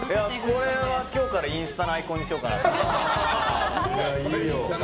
これを今日からインスタのアイコンにしようかなと。